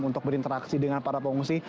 untuk berinteraksi dengan para pengungsi